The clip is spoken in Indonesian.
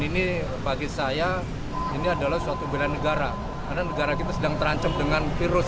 ini bagi saya ini adalah suatu bela negara karena negara kita sedang terancam dengan virus